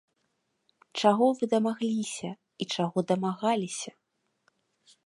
Чаго вы дамагліся, і чаго дамагаліся?